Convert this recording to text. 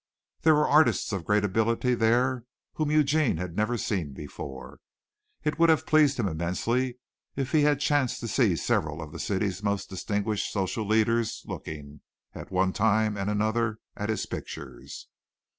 There were artists of great ability there whom Eugene had never seen before. It would have pleased him immensely if he had chanced to see several of the city's most distinguished social leaders looking, at one time and another, at his pictures.